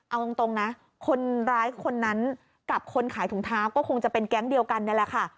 เอาตรงนะคนร้ายคนนั้นกับคนขายถุงเท้าก็คงจะเป็นแก๊งเดียวกันนี่แหละค่ะ